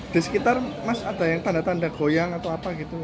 di sekitar mas ada yang tanda tanda goyang atau apa gitu